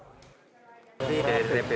jumlah terbaru berapa